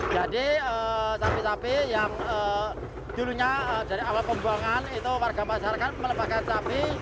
jadi sapi sapi yang dulunya dari awal pembuangan itu warga masyarakat melepaskan sapi